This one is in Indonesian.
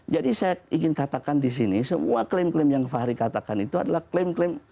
jadi saya ingin katakan disini semua klaim klaim yang fahri katakan itu adalah klaim klaim